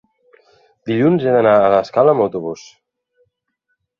dilluns he d'anar a l'Escala amb autobús.